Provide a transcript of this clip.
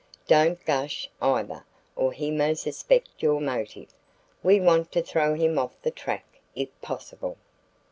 Don't gush, either, or he may suspect your motive. We want to throw him off the track if possible."